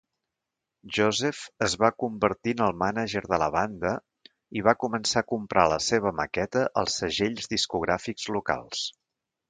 Joseph es va convertir en el mànager de la banda i va començar a comprar la seva maqueta als segells discogràfics locals.